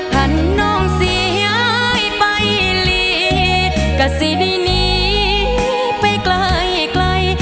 ท่านน้องสิให้ไปหลีก็สิได้หนีไปไกล